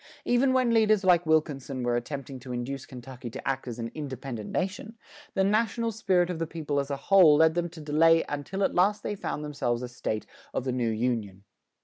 Even when leaders like Wilkinson were attempting to induce Kentucky to act as an independent nation, the national spirit of the people as a whole led them to delay until at last they found themselves a State of the new Union.